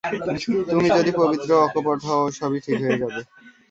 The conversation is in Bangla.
তুমি যদি পবিত্র ও অকপট হও, সবই ঠিক হয়ে যাবে।